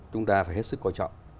chúng ta phải hết sức quan trọng